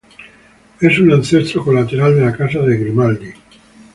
Es un ancestro colateral de la Casa de Grimaldi.